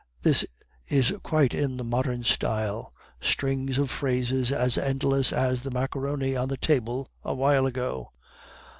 (This is quite in the modern style, strings of phrases as endless as the macaroni on the table a while ago.)